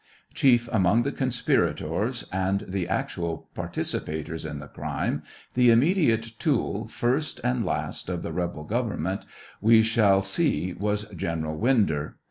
Chief among the conspirators and the actual participators in the crime, the immediate tool, first and last, of the rebel government, we shall see was Prcneral Winder.